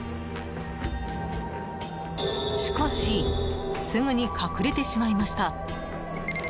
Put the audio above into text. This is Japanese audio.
しかしすぐに隠れてしまいました。